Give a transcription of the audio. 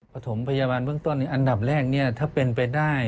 ถมพยาบาลเบื้องต้นอันดับแรกถ้าเป็นไปได้